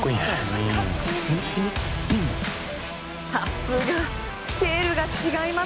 さすがスケールが違います！